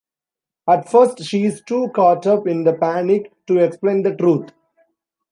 At first she is too caught up in the panic to explain the truth.